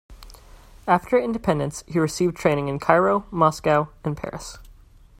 After independence, he received training in Cairo, Moscow, and Paris.